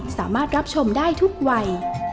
สามารถรับชมได้ทุกวัย